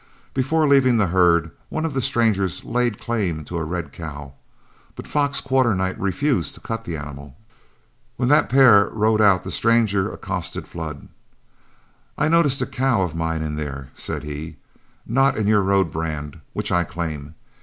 Before leaving the herd, one of the strangers laid claim to a red cow, but Fox Quarternight refused to cut the animal. When the pair rode out the stranger accosted Flood. "I notice a cow of mine in there," said he, "not in your road brand, which I claim.